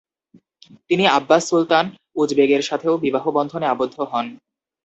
তিনি Abbas Sultan উজবেগের সাথেও বিবাহ বন্ধনে আবদ্ধ হন।